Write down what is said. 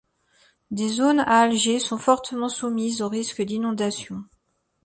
Des zones à Alger sont fortement soumises aux risques d'inondations.